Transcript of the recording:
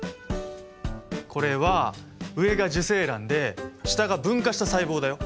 これは上が受精卵で下が分化した細胞だよ。